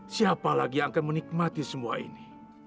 siapa lagi yang akan menikmati semua ini